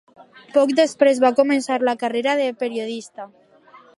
Poc després va començar la carrera de periodista.